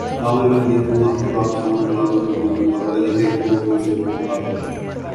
common wealth games hockey Pakistan اور بھارت کے درمیان مقابلہ ایک ایک گول سے برابر